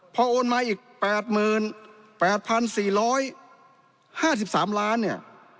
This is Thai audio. พอโอนมาอีก๘๘๔๕๓ล้านเนี่ย